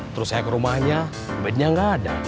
terus saya ke rumahnya ubednya gak ada